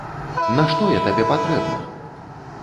Нашто я табе патрэбна?